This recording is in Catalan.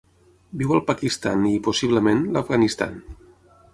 Viu al Pakistan i, possiblement, l'Afganistan.